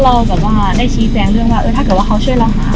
แล้วเราได้ชี้แสงเรื่องว่าถ้าเกิดว่าเขาช่วยเรามา